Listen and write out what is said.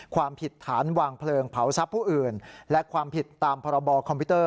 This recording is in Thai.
ความผิดฐานวางเพลิงเผาทรัพย์ผู้อื่นและความผิดตามพรบคอมพิวเตอร์